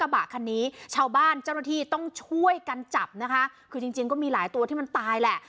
บะคันนี้ชาวบ้านเจ้าหน้าที่ต้องช่วยกันจับนะคะคือจริงจริงก็มีหลายตัวที่มันตายแหละ